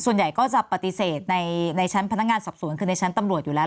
ส่วนใหญ่ก็จะปฏิเสธในชั้นพนักงานสอบสวนคือในชั้นตำรวจอยู่แล้ว